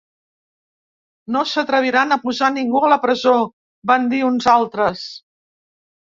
No s’atreviran a posar ningú a la presó, van dir uns altres.